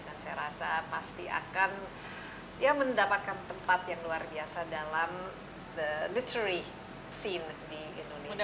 dan saya rasa pasti akan ya mendapatkan tempat yang luar biasa dalam the literary scene di indonesia